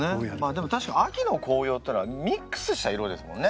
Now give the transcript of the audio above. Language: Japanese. でも確かに秋の紅葉っていったらミックスした色ですもんね。